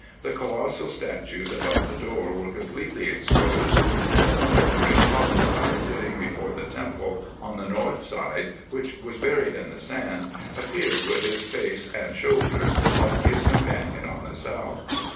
The colossal statues above the door were completely exposed ; and one of the great colossi sitting before the temple, on the north side, which was buried in the sand, appeared with his face and shoulders like his companion on the south.